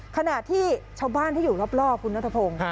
ขณะที่ชาวบ้านที่อยู่รอบคุณนัทพงศ์